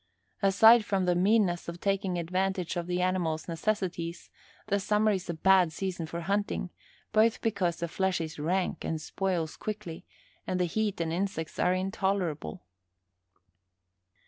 Aside from the meanness of taking advantage of the animals' necessities, the summer is a bad season for hunting, both because the flesh is rank and spoils quickly, and the heat and insects are intolerable.